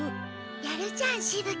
やるじゃんしぶ鬼。